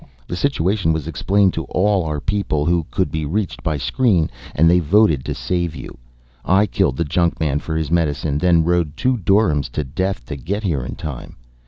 The situation was explained to all of our people who could be reached by screen and they voted to save you. I killed the junkman for his medicine, then rode two doryms to death to get here in time.